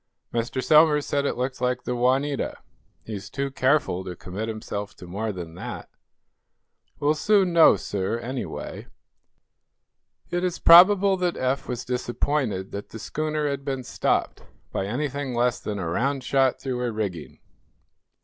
"Mr. Somers said it looked like the 'Juanita.' He's too careful to commit himself to more than that." "We shall soon know, sir, anyway." It is probable that Eph was disappointed that the schooner had been stopped by anything less than a round shot through her rigging.